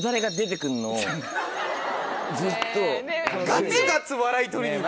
ガツガツ笑い取りに。